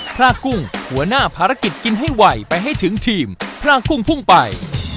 พระกุ้งหัวหน้าภารกิจกินให้ไวไปให้ถึงทีมพรากุ้งพุ่งไป